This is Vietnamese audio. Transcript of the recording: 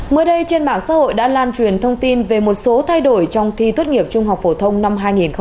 mới đây trên mạng xã hội đã lan truyền thông tin về một số thay đổi trong thi tốt nghiệp trung học phổ thông năm hai nghìn hai mươi